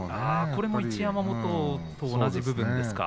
これも一山本と同じ部分でしょうか？